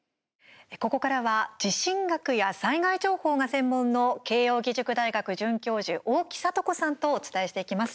ここからは地震学や災害情報が専門の慶應義塾大学准教授大木聖子さんとお伝えしていきます。